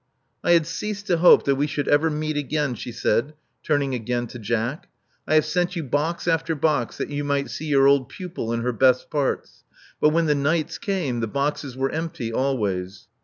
I had ceased to hope that we should ever meet again," she said, turning again to Jack. *'I have sent you box after box that you might see your old pupil in her best parts; but when the nights came, the boxes were empty always."